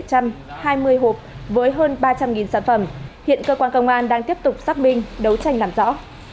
năm bảy trăm hai mươi hộp với hơn ba trăm linh sản phẩm hiện cơ quan công an đang tiếp tục xác minh đấu tranh làm rõ